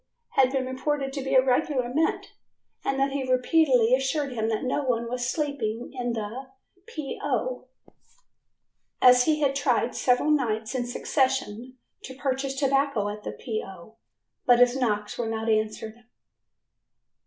had been reported to be a regular mint, and he repeatedly assured him that no one was sleeping in the "P. O." as he had tried several nights in succession to purchase tobacco at the "P. O.", but his knocks were not answered.